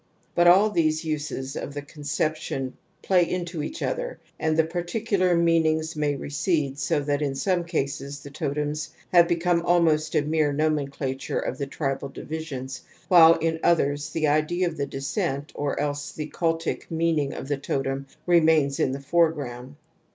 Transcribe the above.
Jtsut all these uses ofthe conception pTaylnto each other and the particular meanings may recede so that in some cases the totems have become almost a mere nomenclature of the tribal divisions, while in others the idea of the descent or else the cultic meaning of the totem remains in the fore sroimd.